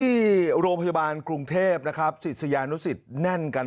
ที่โรงพยาบาลกรุงเทพฯสิทธิ์สยานุสิทธิ์แน่นกัน